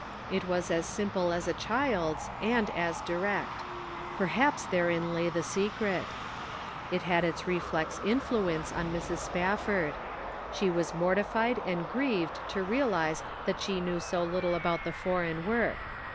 It was as simple as a child's and as direct. Perhaps therein lay the secret. It had its reflex influence on Mrs. Spafford. She was mortified and grieved to realize that she knew so little about the foreign work.